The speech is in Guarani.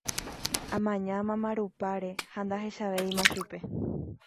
amaña mama rupáre ha ndahechavéima chupe